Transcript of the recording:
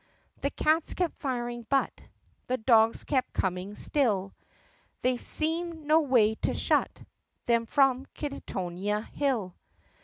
The cats kept firing but The dogs kept coming still. There seemed no way to shut Them from Kittonia Hill.